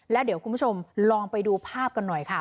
แล้วเดี๋ยวคุณผู้ชมลองไปดูภาพกันหน่อยค่ะ